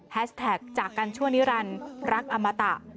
แท็กจากกันชั่วนิรันดิ์รักอมตะ